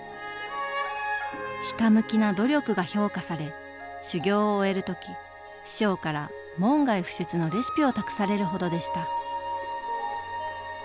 ひたむきな努力が評価され修業を終える時師匠から門外不出のレシピを託されるほどでした。